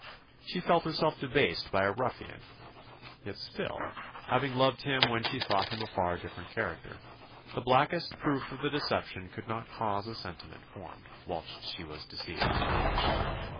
She felt herself debased by a ruffian yet still, having loved him when she thought him a far different character, the blackest proof of the deception could not cause a sentiment formed whilst she was deceived.